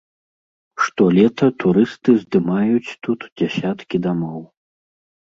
Штолета турысты здымаюць тут дзесяткі дамоў.